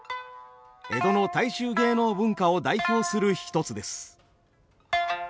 江戸の大衆芸能文化を代表する一つです。